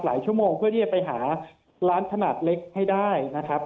ชั่วโมงเพื่อที่จะไปหาร้านขนาดเล็กให้ได้นะครับ